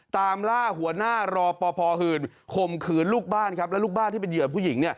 ตามล่าหัวหน้ารอปภหื่นข่มขืนลูกบ้านครับและลูกบ้านที่เป็นเหยื่อผู้หญิง